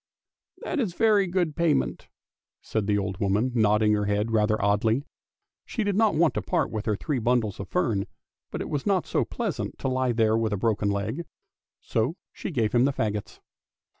" That is very good payment," said the old woman, nodding her head rather oddly ; she did not want to part with her three bundles of fern, but it was not so pleasant to he there with a broken leg, so she gave him the faggots.